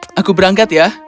sayang aku berangkat ya